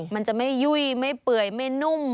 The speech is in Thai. มันจะไม่ยุ่ยไม่เปื่อยไม่นุ่ม